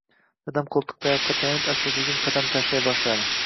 Dadam qoʻltiqtayoqqa tayanib, asta-sekin qadam tashlay boshladi.